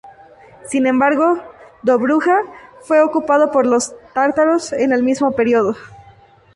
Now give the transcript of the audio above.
Sin embargo, Dobruja fue ocupado por los tártaros en el mismo período.